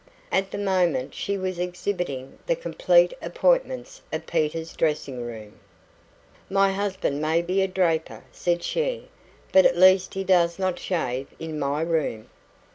At the moment she was exhibiting the complete appointments of Peter's dressing room. "My husband may be a draper," said she, "but at least he does not shave in my room."